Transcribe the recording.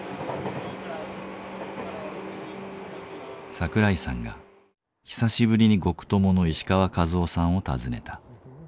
桜井さんが久しぶりに獄友の石川一雄さんを訪ねた。